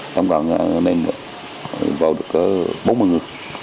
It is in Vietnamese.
không còn nên bỏ được cả bốn mươi người